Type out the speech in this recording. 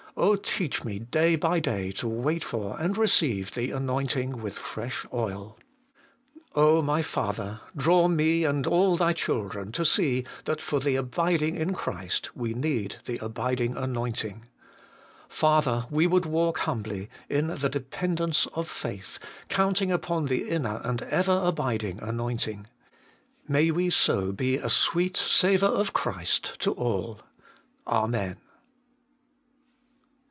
Oh, teach me day by day to wait for and receive the anointing with fresh oil! O my Father ! draw me and all Thy children to see that for the abiding in Christ we need the abiding anointing. Father ! we would walk humbly, in the dependence of faith, counting upon the inner and ever abiding anointing. May we so be a sweet savour of Christ to all. Amen.